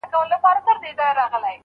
د رندانو په محفل کي د مستۍ په انجمن کي